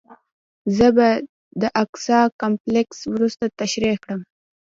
زه به د اقصی کمپلکس وروسته تشریح کړم.